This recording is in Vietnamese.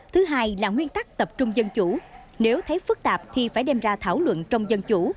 thứ hai là nguyên tắc tập trung dân chủ nếu thấy phức tạp thì phải đem ra thảo luận trong dân chủ